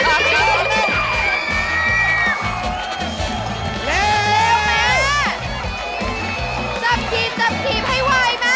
เร็ว